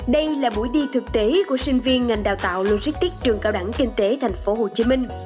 đây là buổi đi thực tế của sinh viên ngành đào tạo logistics trường cao đẳng kinh tế thành phố hồ chí minh